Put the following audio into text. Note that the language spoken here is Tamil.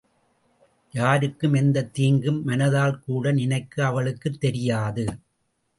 யாருக்கும் எந்தத் தீங்கும் மனதால் கூடநினைக்க அவளுக்குத் தெரியாது.